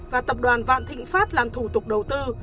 và tập đoàn vạn thịnh pháp làm thủ tục đầu tư